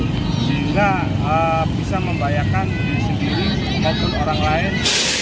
sehingga bisa membahayakan diri sendiri maupun orang lain